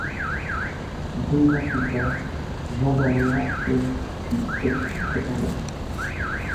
Deux ans plus tard, Jean d’Orléans hérite du statut de prétendant.